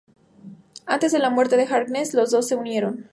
Antes de la muerte de Harkness, los dos se unieron.